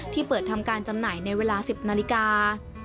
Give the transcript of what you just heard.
ที่เปิดทำการจำหน่ายในเวลา๑๐นาฬิกา